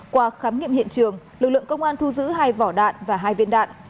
qua khám nghiệm hiện trường lực lượng công an thu giữ hai vỏ đạn và hai viên đạn